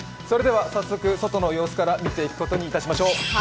それでは早速、外の様子から見ていくことにいたしましょう。